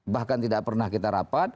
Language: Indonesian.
bahkan tidak pernah kita rapat